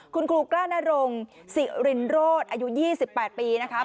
คุณครูก้านรงค์กรรมาสิรินโรสอายุ๒๘ปีนะคะ